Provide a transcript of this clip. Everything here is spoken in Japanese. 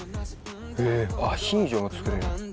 へぇアヒージョも作れる。